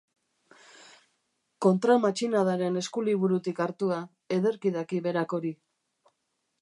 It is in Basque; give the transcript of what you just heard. Kontramatxinadaren eskuliburutik hartua, ederki daki berak hori.